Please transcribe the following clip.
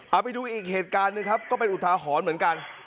เอาไปดูอีกเหตุการณ์หนึ่งครับก็เป็นอุทาหรณ์เหมือนกัน